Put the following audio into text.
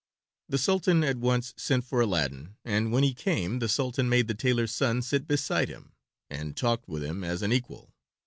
The Sultan at once sent for Aladdin, and when he came the Sultan made the tailor's son sit beside him, and talked with him as an equal.